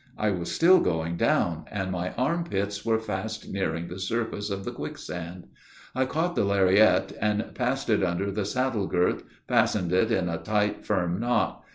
I was still going down, and my arm pits were fast nearing the surface of the quicksand. I caught the lariat, and, passing it under the saddle girths, fastened it in a tight, firm knot.